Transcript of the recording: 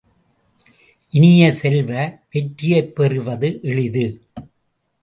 இனிய செல்வ, வெற்றியைப் பெறுவது எளிது.